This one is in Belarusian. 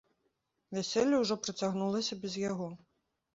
Вяселле ўжо працягнулася без яго.